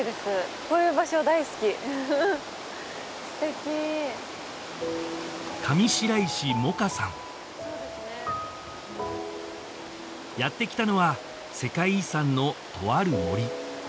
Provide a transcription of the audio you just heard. こういう場所大好き素敵やって来たのは世界遺産のとある森